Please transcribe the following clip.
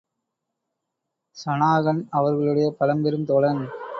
ஷனாகன் அவர்களுடைய பழம்பெரும் தோழன்.